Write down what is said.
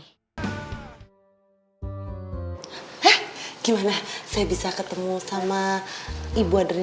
hah gimana saya bisa ketemu sama ibu adri